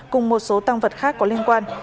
cùng một số tăng vật khác có liên quan